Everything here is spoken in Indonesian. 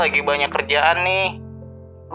lagi banyak kerjaan nih